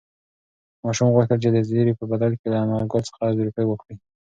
ماشوم غوښتل چې د زېري په بدل کې له انارګل څخه روپۍ واخلي.